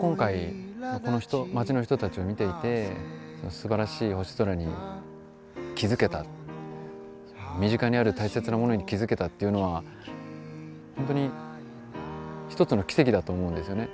今回この町の人たちを見ていてすばらしい星空に気付けた身近にある大切なものに気付けたっていうのは本当に一つの奇跡だと思うんですよね。